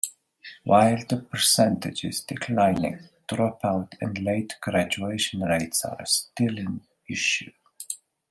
While the percentage is declining, dropout and late graduation rates are still an issue.